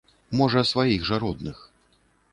Можа сваіх жа родных.